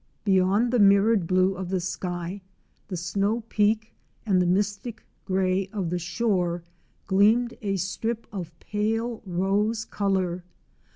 Beyond the mirrored blue of the sky, the snow peak, and the mystic grey of the shore gleamed a strip of pale rose colour.